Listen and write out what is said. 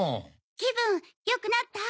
気分良くなった？